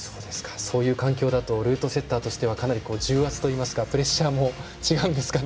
そういう環境だとルートセッターとしてはかなり重圧といいますかプレッシャーも違うんでしょうか。